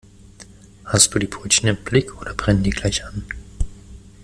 Hast du die Brötchen im Blick oder brennen die gleich an?